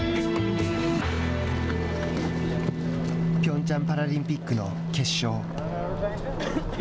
ピョンチャンパラリンピックの決勝。